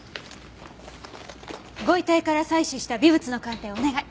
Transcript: ご遺体から採取した微物の鑑定をお願い。